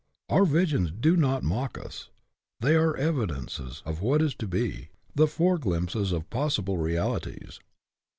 Our visions do not mock us. They are evidences of what is to be, the foreglimpses of possible realities.